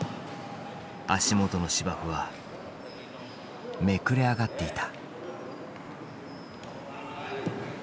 足元の芝生はめくれ上がっていた。